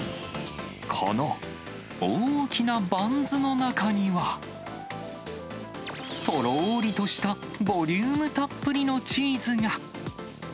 この大きなバンズの中には、とろーりとしたボリュームたっぷりのチーズが。